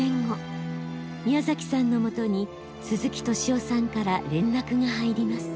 宮崎さんのもとに鈴木敏夫さんから連絡が入ります。